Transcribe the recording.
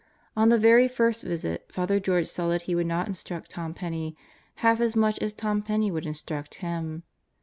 On the very first visit Father George saw that he would not instruct Tom Penney half as much as Tom Penney would instruct himself.